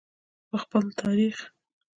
په خپل تاریخ.